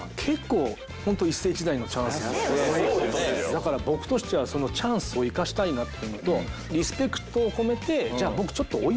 だから僕としてはそのチャンスを生かしたいなっていうのとリスペクトを込めて「じゃあ僕ちょっと追いパーマします」と。